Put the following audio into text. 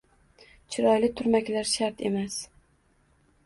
chiroyli turmaklar shart emas